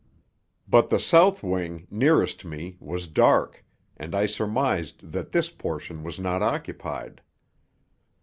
But the south wing, nearest me, was dark, and I surmised that this portion was not occupied.